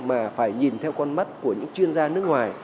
mà phải nhìn theo con mắt của những chuyên gia nước ngoài